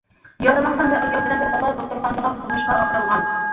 يارىلانغان بىر ئايال بىلەن بىر بالا دوختۇرخانىغا قۇتقۇزۇشقا ئاپىرىلغان.